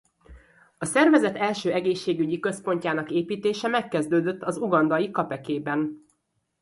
A szervezet első egészségügyi központjának építése megkezdődött az ugandai Kapekében.